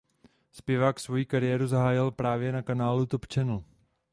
Zpěvák svoji kariéru zahájil právě na kanálu Top Channel.